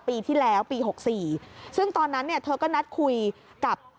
ปีที่แล้วปีหกสี่ซึ่งตอนนั้นเนี่ยเธอก็นัดคุยกับ